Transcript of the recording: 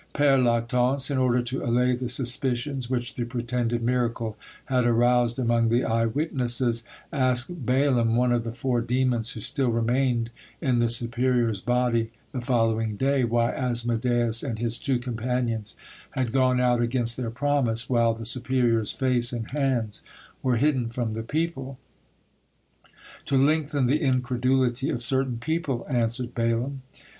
Pere Lactance, in order to allay the suspicions which the pretended miracle had aroused among the eye wittnesses, asked Balaam, one of the four demons who still remained in the superior's body, the following day, why Asmodeus and his two companions had gone out against their promise, while the superior's face and hands were hidden from the people. "To lengthen the incredulity of certain people," answered Balaam.